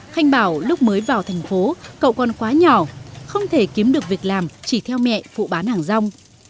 thanh bảo lúc mới vào thành phố cậu còn quá nhỏ không thể kiếm được việc làm chỉ theo mẹ phụ bán hàng rong